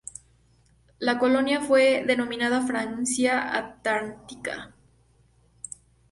La colonia fue denominada Francia Antártica.